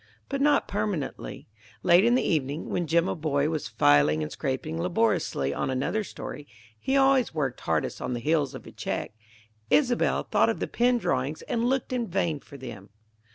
But not permanently. Late in the evening, when Jimaboy was filing and scraping laboriously on another story, he always worked hardest on the heels of a check, Isobel thought of the pen drawings and looked in vain for them.